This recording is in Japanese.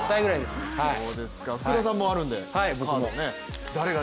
福田さんもあるので、カードね。